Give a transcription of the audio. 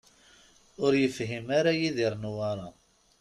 Ur yefhim ara Yidir Newwara.